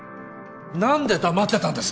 何で黙ってたんです？